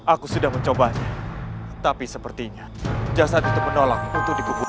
aku sudah mencobanya tapi sepertinya jasad itu menolak untuk dikubur